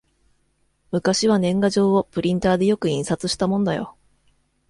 昔は年賀状をプリンターでよく印刷したもんだよ